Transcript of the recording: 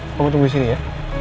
kamu tunggu disini ya